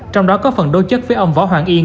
trong đó có phần đối chất với ông võ hoàng yên